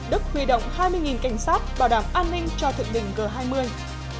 đức huy động hai mươi cảnh sát bảo đảm an ninh cho thượng đỉnh g hai mươi